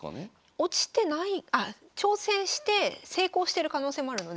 落ちてないあ挑戦して成功してる可能性もあるので。